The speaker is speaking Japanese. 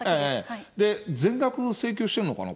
全額の請求してるのかな？